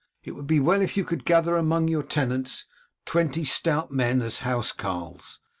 It would be well if you could gather among your tenants twenty stout men as house carls.